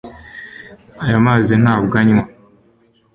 Aya mazi ntabwo anywa